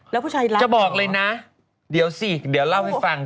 แล้วผู้ชายรักจะบอกเลยนะเดี๋ยวสิเดี๋ยวเล่าให้ฟัง